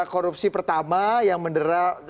korupsi pertama yang mendera